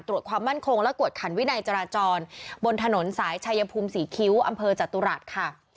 ความมั่นคงและกวดขันวินัยจราจรบนถนนสายชายภูมิศรีคิ้วอำเภอจตุรัสค่ะ